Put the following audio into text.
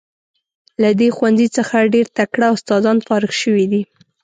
له دې ښوونځي څخه ډیر تکړه استادان فارغ شوي دي.